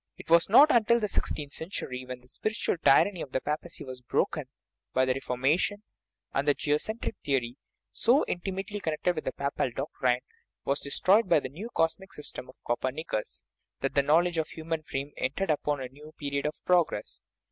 It was not until the sixteenth century, when the spiritual tyranny of the papacy was broken by the Reformation, and the geocentric theory, so in 23 THE RIDDLE OF THE UNIVERSE timately connected with papal doctrine, was destroyed by the new cosmic system of Copernicus, that the knowledge of the human frame entered upon a new pe riod of progress.